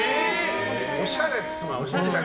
おしゃれっすもんね。